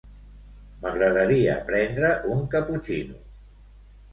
M'agradaria prendre un caputxino.